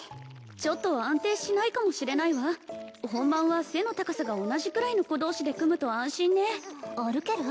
ちょっと安定しないかもしれないわ本番は背の高さが同じくらいの子同士で組むと安心ね歩ける？